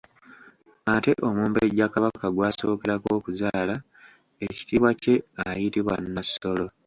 Ate omumbejja kabaka gw'asookerako okuzaala, ekitiibwa kye ayitibwa Nassolo.